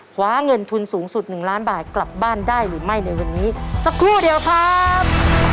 คว้าเงินทุนสูงสุด๑ล้านบาทกลับบ้านได้หรือไม่ในวันนี้สักครู่เดียวครับ